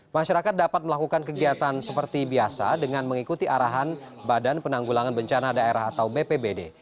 masyarakat dapat melakukan kegiatan seperti biasa dengan mengikuti arahan badan penanggulangan bencana daerah atau bpbd